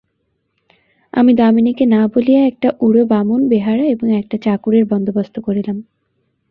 আমি দামিনীকে না বলিয়া একটা উড়েবামুন, বেহারা এবং একটা চাকরের বন্দোবস্ত করিলাম।